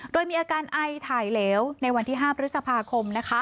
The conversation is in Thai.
โดยมีอาการไอถ่ายเหลวในวันที่๕พฤษภาคม